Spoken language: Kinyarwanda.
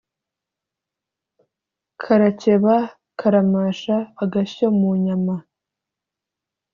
Karakeba karamasha-Agashyo mu nyama.